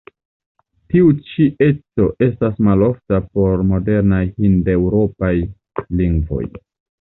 Tiu ĉi eco estas malofta por modernaj hindeŭropaj lingvoj.